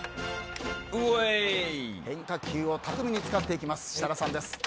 変化球を巧みに使っていく設楽さんです。